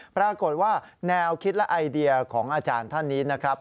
ปรากฏว่าแนวคิดและไอเดียของอาจารย์ท่านนี้นะครับ